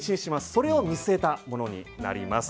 それを見据えたものになります。